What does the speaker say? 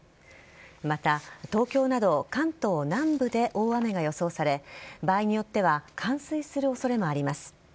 また、東京など関東南部で大雨が予想され場合によっては冠水する恐れもあります。